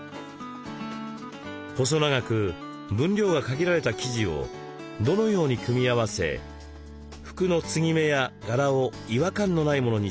細長く分量が限られた生地をどのように組み合わせ服の継ぎ目や柄を違和感のないものに仕上げていくのか。